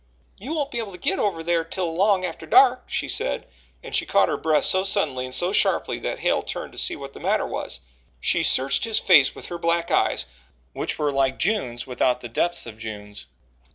"You won't be able to git over thar till long atter dark," she said, and she caught her breath so suddenly and so sharply that Hale turned to see what the matter was. She searched his face with her black eyes, which were like June's without the depths of June's.